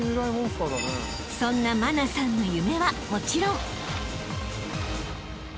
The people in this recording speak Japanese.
［そんな茉奈さんの夢はもちろん］